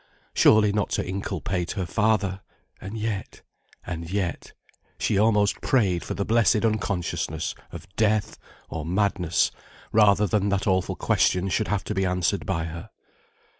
Surely not to inculpate her father and yet and yet she almost prayed for the blessed unconsciousness of death or madness, rather than that awful question should have to be answered by her.